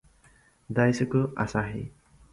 Daisuke Asahi